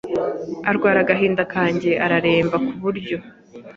arwara agahinda kanjye araremba ku buryo